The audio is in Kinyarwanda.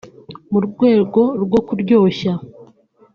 mu rwego rwo kuryoshya